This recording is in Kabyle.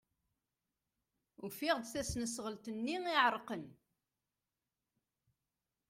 Ufiɣ-d tasnasɣalt-nni iɛerqen.